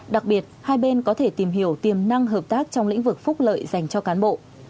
đặc biệt hai bên có thể tìm hiểu tiềm năng hợp tác trong lĩnh vực phúc lợi dành cho cán bộ